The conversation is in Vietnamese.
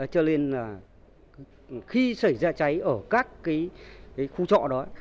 cho nên là khi xảy ra cháy ở các cái khu trọ đó